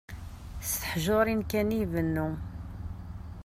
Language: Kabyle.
S teḥjurin kan i ibennu.